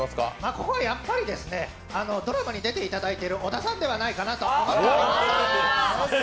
ここはやっぱりドラマに出ていただいている小田さんではないかなと。